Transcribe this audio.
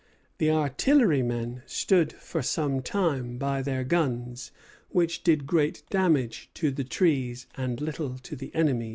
The artillerymen stood for some time by their guns, which did great damage to the trees and little to the enemy.